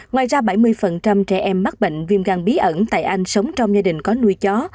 ngoài ra bảy mươi trẻ em mắc bệnh viêm gan bí ẩn tại anh sống trong gia đình có nuôi chó